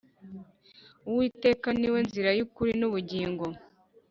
Uwiteka niwe nzira yukuri nubugingo